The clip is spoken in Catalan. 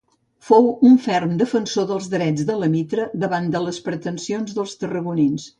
Fou un ferm defensor dels drets de la Mitra davant de les pretensions dels tarragonins.